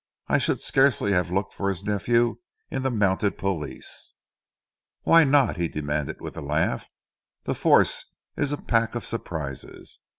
"I should scarcely have looked for his nephew in the Mounted Police." "Why not?" he demanded, with a laugh. "The Force is a packet of surprises.